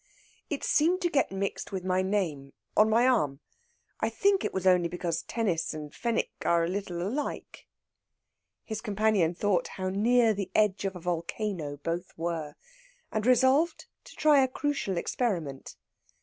It seemed to get mixed with my name on my arm. I think it was only because tennis and Fenwick are a little alike." His companion thought how near the edge of a volcano both were, and resolved to try a crucial experiment.